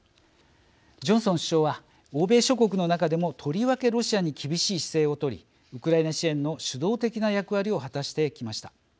ジョンソン首相は欧米諸国の中でも、とりわけロシアに厳しい姿勢を取りウクライナ支援の主導的な役割を果たしてきました。